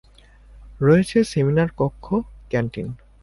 রয়েছে সেমিনার কক্ষ, ক্যান্টিন।